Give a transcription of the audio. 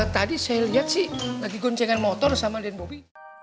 tadi saya lihat sih lagi goncengan motor sama den bobby